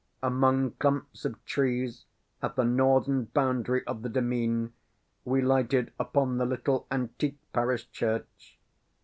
Among clumps of trees at the northern boundary of the demesne we lighted upon the little antique parish church.